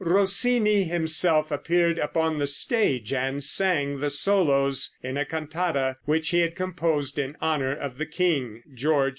Rossini himself appeared upon the stage and sang the solos in a cantata which he had composed in honor of the King, George IV.